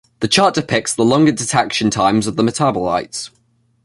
The chart depicts the longer detection times of the metabolites.